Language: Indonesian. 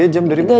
tiga jam dari mana